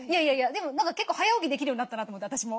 でも結構早起きできるようになったなと思って私も。